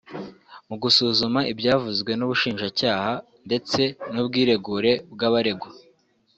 Mu gusuzuma ibyavuzwe n’Ubushinjacyaha ndetse n’ubwiregure bw’abaregwa